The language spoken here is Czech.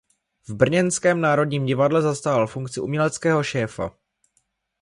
V brněnském národním divadle zastával funkci uměleckého šéfa.